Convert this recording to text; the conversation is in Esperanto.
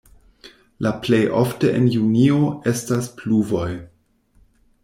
La plej ofte en junio estas pluvoj.